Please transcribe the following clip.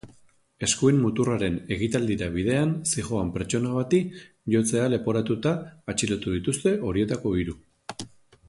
Eskuin muturraren ekitaldira bidean zihoan pertsona bati jotzea leporatuta atxilotu dituzte horietako hiru.